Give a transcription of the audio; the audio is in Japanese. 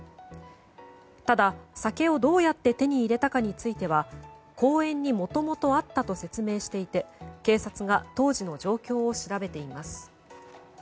ただ、酒をどうやって手に入れたかについては公園にもともとあったと説明していて警察が当時の状況を調べています。